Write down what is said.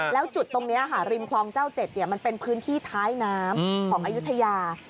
แล้วจุดตรงนี้ค่ะริมคลองเจ้า๗มันเป็นพื้นที่ท้ายน้ำของอายุทยา